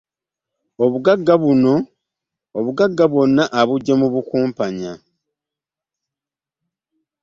Obugagga bwonna abuggye mu bukumpanya?